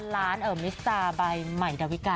ร้านเอ่อมิสตาร์ใบไหมดาวิกัล